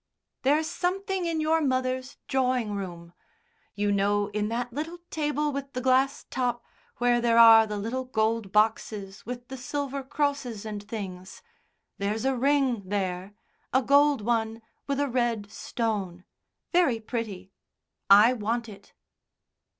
"There's something in your mother's drawing room. You know in that little table with the glass top where there are the little gold boxes with the silver crosses and things. There's a ring there a gold one with a red stone very pretty. I want it."